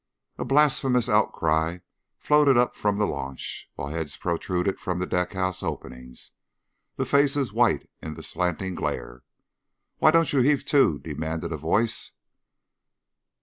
A blasphemous outcry floated up from the launch, while heads protruded from the deck house openings, the faces white in the slanting glare. "Why don't you heave to?" demanded a voice.